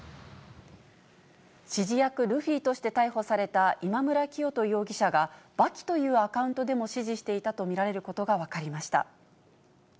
指示役、ルフィとして逮捕された今村磨人容疑者が刃牙というアカウントでも指示していたと見られることが分かりました。